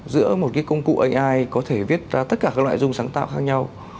giữa một công cụ ai có thể viết ra tất cả các loại dung sáng tạo khác nhau